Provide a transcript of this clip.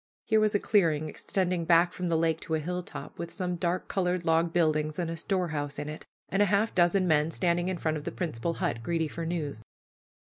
Here was a clearing extending back from the lake to a hilltop, with some dark colored log buildings and a storehouse in it, and half a dozen men standing in front of the principal hut, greedy for news.